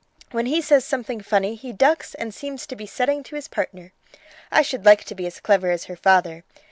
When he says something funny he ducks and seems to be setting to his partner. I should like to be as clever as her father.